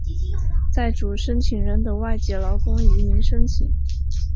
在主申请人的外籍劳工移民申请。